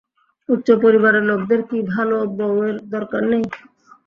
উচ্চ পরিবারের লোকদের কী ভালো বৌয়ের দরকার নেই?